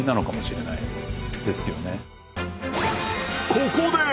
ここで！